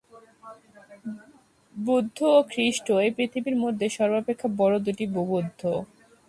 বুদ্ধ ও খ্রীষ্ট এই পৃথিবীর মধ্যে সর্বাপেক্ষা বড় দুটি বুদ্বুদ।